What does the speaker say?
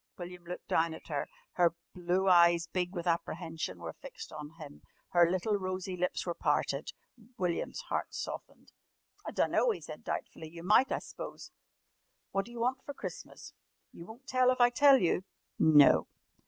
William looked down at her. Her blue eyes, big with apprehension, were fixed on him, her little rosy lips were parted. William's heart softened. "I dunno," he said doubtfully. "You might, I s'pose. What d'you want for Christmas?" "You won't tell if I tell you?" "No."